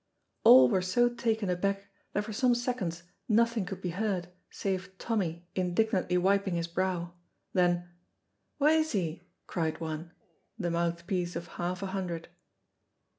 All were so taken aback that for some seconds nothing could be heard save Tommy indignantly wiping his brow; then "Wha is he?" cried one, the mouthpiece of half a hundred.